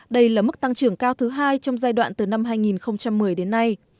đây là mức tăng trưởng cao thứ hai trong giai đoạn từ năm hai nghìn một mươi đến nay